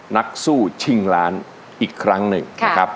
นักสู้ชิงล้านอีกครั้งหนึ่งนะครับ